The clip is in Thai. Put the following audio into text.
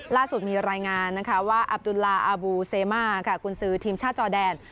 ล่าสุดมีรายงานว่าอับดูลลาอาบูเซมาคุณซื้อทีมชาติจอดแดน